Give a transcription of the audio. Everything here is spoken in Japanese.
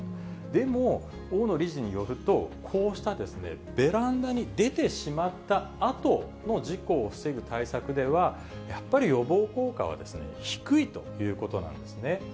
でも、大野理事によると、こうしたベランダに出てしまったあとの事故を防ぐ対策では、やっぱり予防効果は低いということなんですね。